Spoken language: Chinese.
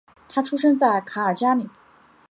他出生在卡尔加里。